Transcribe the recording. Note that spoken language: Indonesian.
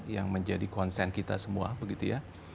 yang menjadi konsen kita semua begitu ya